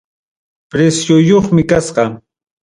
Precioyuqmi kasqa.